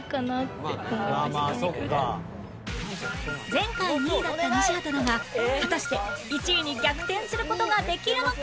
前回２位だった西畑だが果たして１位に逆転する事ができるのか？